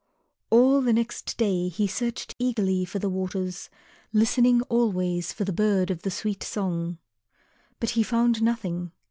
All the next day he searched eagerly for the Waters, listening always for the bird of the sweet song. But he found nothing.